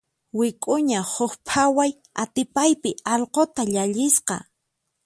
Wik'uña huk phaway atipaypi allquta llallisqa.